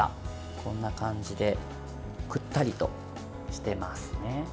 こんな感じでくったりとしていますね。